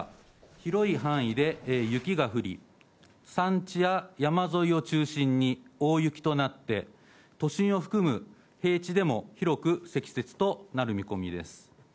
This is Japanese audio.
広い範囲で雪が降り、山地や山沿いを中心に、大雪となって、都心を含む平地でも広く積雪となる見込みです。